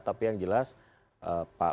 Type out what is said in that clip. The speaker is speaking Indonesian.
tapi yang jelas pak